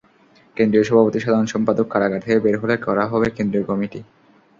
কেন্দ্রীয় সভাপতি-সাধারণ সম্পাদক কারাগার থেকে বের হলে করা হবে কেন্দ্রীয় কমিটি।